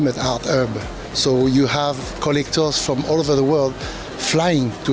dan anda juga bisa mencari karya yang luar biasa di sini